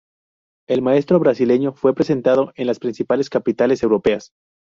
El maestro brasileño fue presentado en las principales capitales europeas.